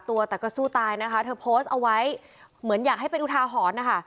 ตัวแต่ก็สู้ตายนะคะเธอโพสต์เอาไว้เหมือนอยากให้เป็นอุทาหรณ์นะคะ